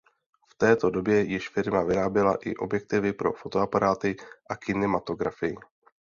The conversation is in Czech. V této době již firma vyráběla i objektivy pro fotoaparáty a kinematografii.